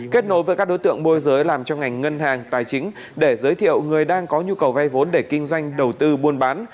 kết nối với các đối tượng môi giới làm cho ngành ngân hàng tài chính để giới thiệu người đang có nhu cầu vay vốn để kinh doanh đầu tư buôn bán